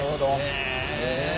へえ。